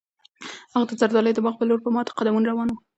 هغه د زردالیو د باغ په لور په ماتو قدمونو روان و.